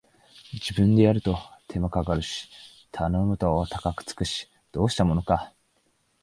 自分でやると手間かかるし頼むと高くつくし、どうしたものか